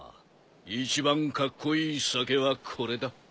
一番カッコイイ酒はこれだ。